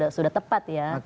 sudah tepat ya